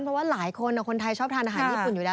เพราะว่าหลายคนคนไทยชอบทานอาหารญี่ปุ่นอยู่แล้ว